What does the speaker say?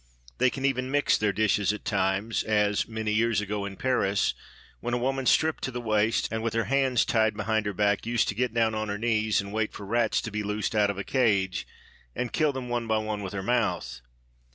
They can even mix their dishes at times, as, many years ago in Paris, when a woman stripped to the waist and with her hands tied behind her back used to get down on her knees and wait for rats to be loosed out of a cage and kill them one by one with her mouth.